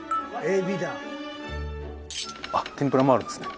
あっ天ぷらもあるんですね。